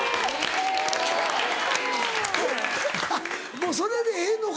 もうそれでええのか？